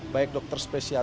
baik dokter spesial